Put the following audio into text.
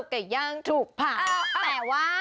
ไก่ย่างถูกเผาเออแต่ว่า